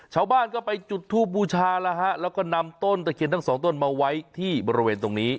ชาวบ้านก็ไปจุดทูบบูชาแล้วฮะแล้วก็นำต้นตะเคียนทั้งสองต้นมาไว้ที่บริเวณตรงนี้